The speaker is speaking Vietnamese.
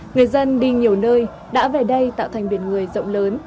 người dân đi nhiều nơi đã về đây tạo thành biển người rộng lớn